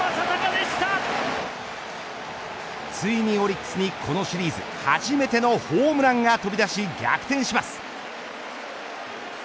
ついにオリックスにこのシリーズ初めてのホームランが飛び出し逆転します。